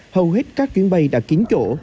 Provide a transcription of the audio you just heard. hầu hết các chuyến bay đã kín chỗ